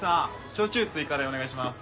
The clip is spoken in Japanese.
焼酎追加でお願いします